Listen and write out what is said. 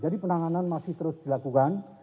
jadi penanganan masih terus dilakukan